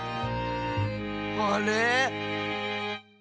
あれ？